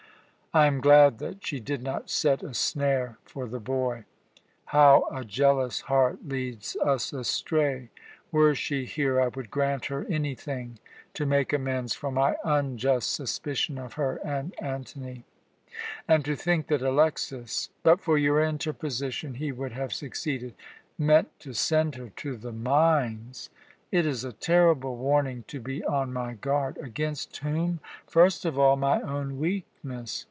I am glad that she did not set a snare for the boy. How a jealous heart leads us astray! Were she here, I would grant her anything to make amends for my unjust suspicion of her and Antony. And to think that Alexas but for your interposition he would have succeeded meant to send her to the mines! It is a terrible warning to be on my guard. Against whom? First of all, my own weakness.